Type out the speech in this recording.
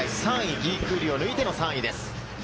ギー・クーリを抜いての３位です。